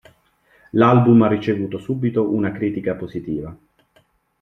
L'album ha ricevuto subito una critica positiva.